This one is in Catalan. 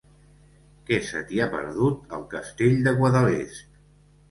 Què se t'hi ha perdut, al Castell de Guadalest?